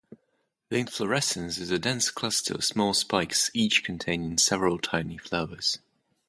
The inflorescence is a dense cluster of small spikes, each containing several tiny flowers.